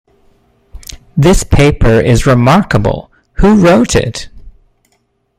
This paper is remarkable, who wrote it?